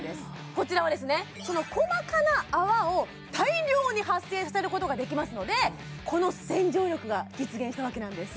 こちらはその細かな泡を大量に発生させることができますのでこの洗浄力が実現したわけなんです